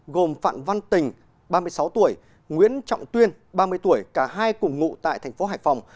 gồm phạm văn tình ba mươi sáu tuổi nguyễn trọng tuyên ba mươi tuổi cả hai cùng ngụ tại thành phố hải phòng